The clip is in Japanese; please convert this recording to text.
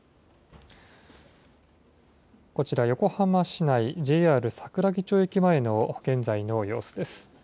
こちら、横浜市内、ＪＲ桜木町駅前の現在の様子です。